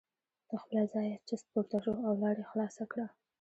له خپله ځایه چست پورته شو او لاره یې خلاصه کړه.